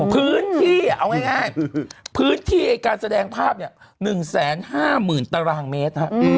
พื้นที่เอาง่ายพื้นที่การแสดงภาพ๑๕๐๐๐ตารางเมตร